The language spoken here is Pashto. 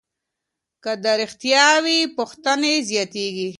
که دا رښتیا وي، پوښتنې زیاتېږي.